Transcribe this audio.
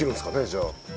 じゃあ。